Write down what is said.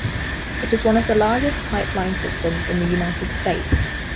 It is one of the largest pipeline systems in the United States.